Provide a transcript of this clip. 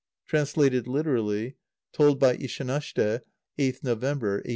(Translated literally. Told by Ishanashte, 8th November, 1886.)